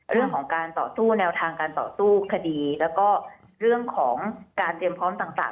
เรื่องของการต่อสู้แนวทางการต่อสู้คดีแล้วก็เรื่องของการเตรียมพร้อมต่าง